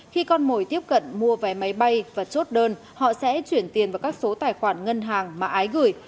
khi con mồi tiếp cận mua vé máy bay và chốt đơn họ sẽ chuyển tiền vào các số tài khoản ngân hàng mà ái gửi